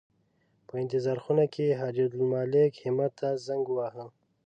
په انتظار خونه کې حاجي عبدالمالک همت ته زنګ وواهه.